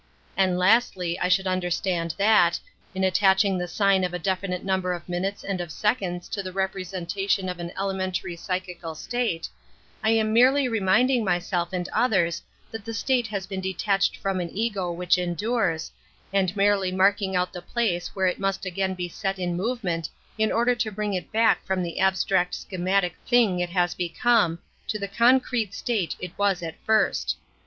.. And lastly I should understand that, in attaching the sign of a definite number of minutes and of seconds to the representation of an elementary psy chical state, I am merely reminding myself and others that the state has been detached from an ego which endures, and merely marking out the place where it must again be set in movement in order to bring it back from the abstract schematic thing it has become to the concrete state it was at first.